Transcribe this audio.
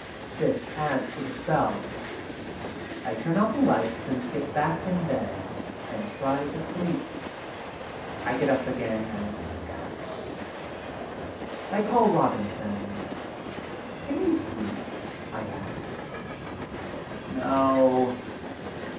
This adds to the spell. I turn out the lights and get back in bed and try to sleep. I get up again and look out. I call Robinson. "Can you sleep?" I ask. "No.